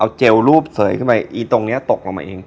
เอาเจลรูปเสยขึ้นไปอีตรงนี้ตกลงมาเอง